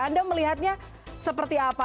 anda melihatnya seperti apa